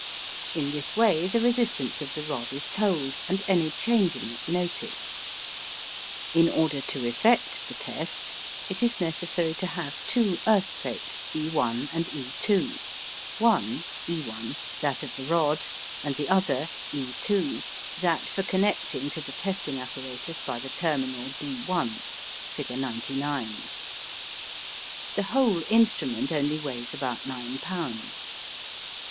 In this way the resistance of the rod is told, and any change in it noted. In order to effect the test, it is necessary to have two earth plates, E1 and E2, one (El) that of the rod, and the other (E2) that for connecting to the testing apparatus by the terminal b1 (figure 99). The whole instrument only weighs about 9 lbs.